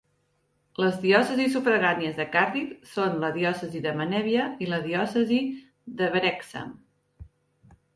Les diòcesis sufragànies de Cardiff són la Diòcesi de Menevia i la Diòcesi de Wrexham.